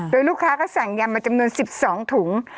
โดยลูกค้าก็สั่งยำมาจำนวน๑๒ถุง